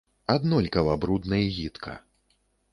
Аднолькава брудна і гідка.